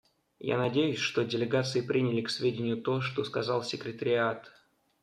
Я надеюсь, что делегации приняли к сведению то, что сказал секретариат.